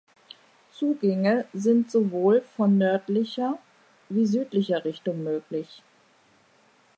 Zugänge sind sowohl von nördlicher wie südlicher Richtung möglich.